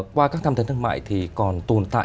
qua các tham gia thương mại thì còn tồn tại